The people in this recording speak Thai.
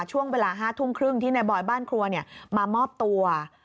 ช่วงเวลา๕ทุ่มครึ่งที่นายบอยบ้านครัวมามอบตัว